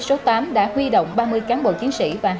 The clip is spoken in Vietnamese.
số tám đã huy động ba mươi cán bộ chiến sĩ và